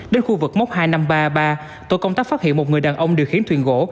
đến khu vực mốc hai nghìn năm trăm ba mươi ba tổ công tác phát hiện một người đàn ông điều khiển thuyền gỗ